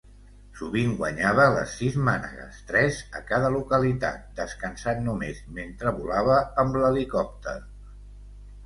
Sovint, guanyava les sis mànegues -tres a cada localitat-, descansant només mentre volava amb l'helicòpter.